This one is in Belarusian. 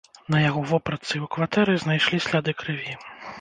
На яго вопратцы і ў кватэры знайшлі сляды крыві.